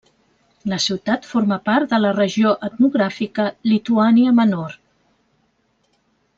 La ciutat forma part de la regió etnogràfica Lituània Menor.